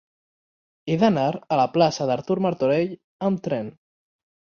He d'anar a la plaça d'Artur Martorell amb tren.